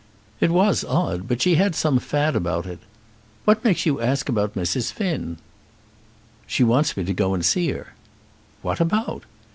"It was odd; but she had some fad about it. What makes you ask about Mrs. Finn?" "She wants me to go and see her." "What about?"